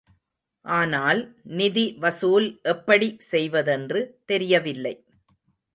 ஆனால் நிதி வசூல் எப்படி செய்வதென்று தெரியவில்லை.